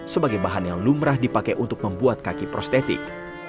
sebagai bahan yang lumrah dipakai untuk membuat kaki prostetik